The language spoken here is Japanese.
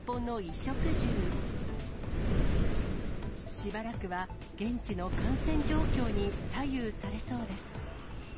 しばらくは現地の感染状況に左右されそうです。